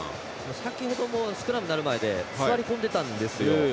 先程もスクラムになる前で座り込んでたんですよ。